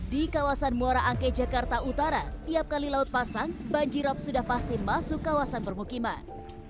di kawasan muara angke jakarta utara tiap kali laut pasang banjirop sudah pasti masuk kawasan permukiman